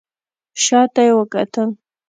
شا ته يې وکتل.